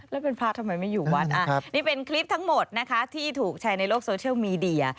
แล้วเป็นพระทำไมไม่อยู่วัดนี่เป็นคลิปทั้งหมดนะคะที่ถูกแชร์ในโลกโซเชียลมีเดีย